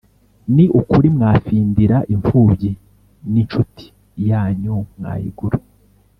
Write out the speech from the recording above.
ni ukuri mwafindira impfubyi, n’incuti yanyu mwayigura